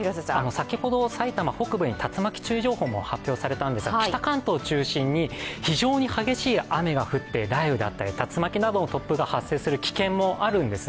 先ほど埼玉北部に竜巻注意情報も発表されたんですが、北関東を中心に非常に激しい雨が降って、雷雨だったり、竜巻などの突風が発生する可能性があるんです。